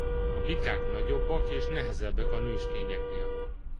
A bikák nagyobbak és nehezebbek a nőstényeknél.